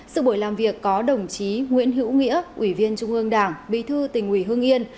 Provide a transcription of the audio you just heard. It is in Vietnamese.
sự buổi làm việc có đồng chí nguyễn hữu nghĩa ủy viên trung ương đảng bí thư tỉnh ủy hương yên